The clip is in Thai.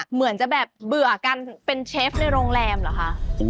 เหมือนจะแบบเบื่อกันเป็นเชฟในโรงแรมเหรอคะ